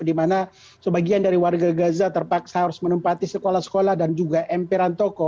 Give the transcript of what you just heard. di mana sebagian dari warga gaza terpaksa harus menempati sekolah sekolah dan juga emperan toko